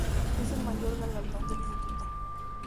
Es el mayor galardón del Instituto.